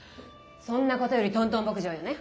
そんなことよりトントン牧場よね。